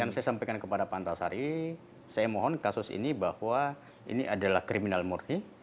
dan saya sampaikan kepada pak antasari saya mohon kasus ini bahwa ini adalah kriminal murni